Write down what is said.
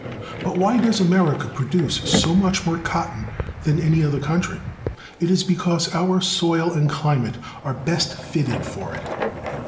But why does America produce so much more cotton than any other country? It is because our soil and cHmate are best fitted for it.